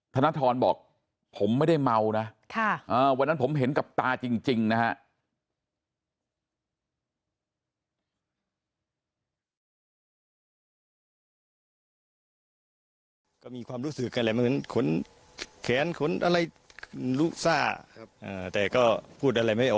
ธนทรบอกผมไม่ได้เมานะวันนั้นผมเห็นกับตาจริงนะฮะ